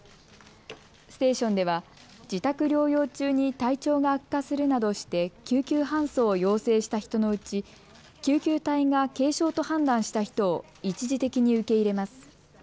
ステーションでは自宅療養中に体調が悪化するなどして救急搬送を要請した人のうち救急隊が軽症と判断した人を一時的に受け入れます。